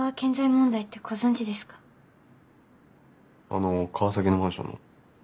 あの川崎のマンションの？